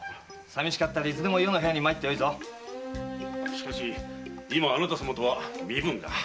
しかし今あなた様とは身分が。